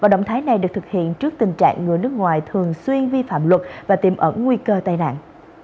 động thái này được thực hiện trước tình trạng người nước ngoài thường xuyên vi phạm luật và tiềm ẩn nguy cơ tai nạn